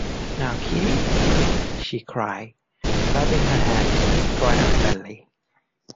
‘Now, Kitty!’ she cried, clapping her hands triumphantly.